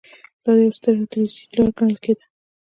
دا تر یوې ستراتیژۍ لوړ ګڼل کېده.